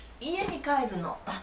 家に帰るの。